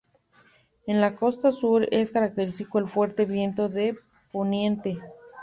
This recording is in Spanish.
En la costa sur, es característico el fuerte viento de poniente.